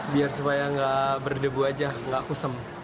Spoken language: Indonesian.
biar supaya gak berdebu aja gak kusam